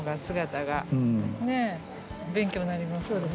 勉強になりますよね。